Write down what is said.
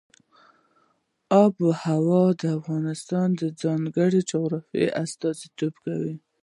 آب وهوا د افغانستان د ځانګړي جغرافیه استازیتوب کوي.